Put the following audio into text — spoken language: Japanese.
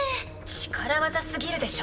力技すぎるでしょ。